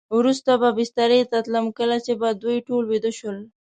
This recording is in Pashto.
وروسته به بسترې ته تلم، کله چې به دوی ټول ویده شول.